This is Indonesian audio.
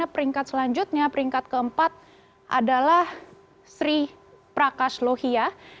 peringkat selanjutnya peringkat keempat adalah sri prakas lohia